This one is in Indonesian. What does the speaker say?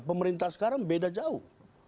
pemerintah sekarang beda jauh